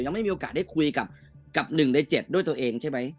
ยังไม่มีโอกาสได้คุยกับกับหนึ่งในเจ็ดด้วยตัวเองใช่ไหม